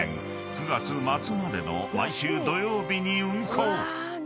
［９月末までの毎週土曜日に運行］